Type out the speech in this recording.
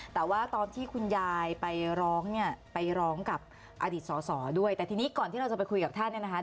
แต่ว่าตอนที่คุณยายไปร้องเนี่ยไปร้องกับอดีตสอสอด้วยแต่ทีนี้ก่อนที่เราจะไปคุยกับท่านเนี่ยนะคะ